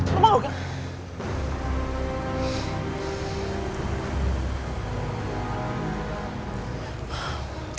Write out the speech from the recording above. kamu mau gak